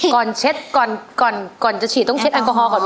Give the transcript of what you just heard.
เช็ดก่อนก่อนจะฉีดต้องเช็ดแอลกอฮอลก่อนไหม